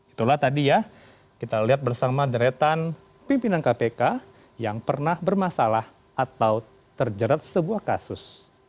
itulah tadi ya kita lihat bersama deretan pimpinan kpk yang pernah bermasalah atau terjerat sebuah kasus